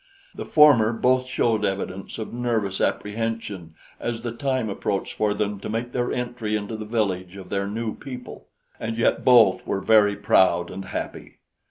The former both showed evidence of nervous apprehension as the time approached for them to make their entry into the village of their new people, and yet both were very proud and happy.